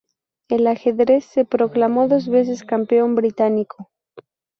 En ajedrez se proclamó dos veces campeón británico.